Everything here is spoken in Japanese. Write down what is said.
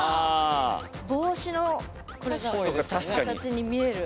帽子の確かに形に見える。